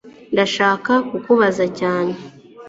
Ndashaka kukubaza cyane